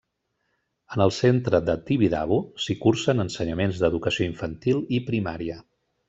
En el centre de Tibidabo s'hi cursen ensenyaments d'educació infantil i primària.